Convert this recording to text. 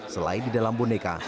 selain di dalam boneka